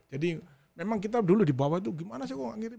jadi memang kita dulu di bawah itu gimana sih kok gak ngirim